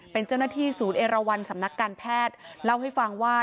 เป็นเจ้าหน้าที่ศูนย์เอราวันสำนักการแพทย์เล่าให้ฟังว่า